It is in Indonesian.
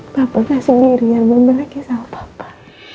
bapaknya sendiri yang memberi kesal bapak